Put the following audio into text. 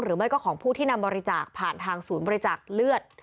หรือไม่ก็ของผู้ที่นำบริจาคผ่านทางศูนย์บริจาคเลือด